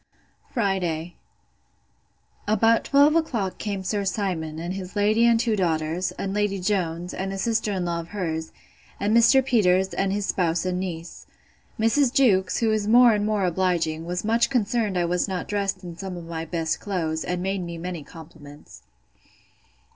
Friday. About twelve o'clock came Sir Simon, and his lady and two daughters; and Lady Jones, and a sister in law of hers; and Mr. Peters, and his spouse and niece. Mrs. Jewkes, who is more and more obliging, was much concerned I was not dressed in some of my best clothes, and made me many compliments.